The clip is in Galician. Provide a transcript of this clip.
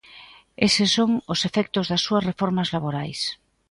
Eses son os efectos das súas reformas laborais.